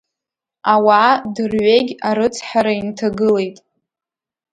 Ауаа дырҩегь арыцҳара инҭагылеит.